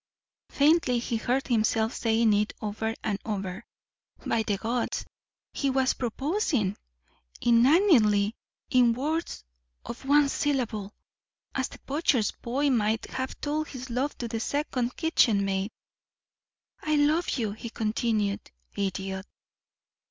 Faintly he heard himself saying it over and over. By the gods, he was proposing! Inanely, in words of one syllable, as the butcher's boy might have told his love to the second kitchen maid. "I love you," he continued. Idiot!